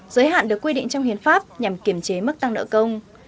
giới hạn được quy định trong hiến pháp nhằm kiểm chế mức tăng nợ công